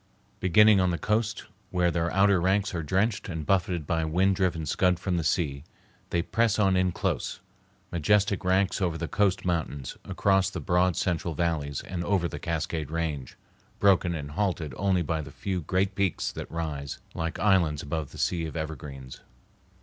Beginning on the coast, where their outer ranks are drenched and buffeted by wind driven scud from the sea, they press on in close, majestic ranks over the coast mountains, across the broad central valleys, and over the Cascade Range, broken and halted only by the few great peaks that rise like islands above the sea of evergreens.